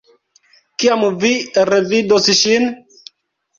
Kiam vi revidos ŝin?